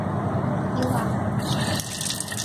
Ила!